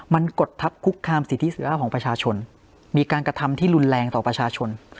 มันกดทัพคุกคามสิทธิสุภาพของประชาชนมีการกระทำที่รุนแรงต่อประชาชน